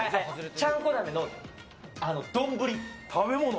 ちゃんこ鍋のあの丼。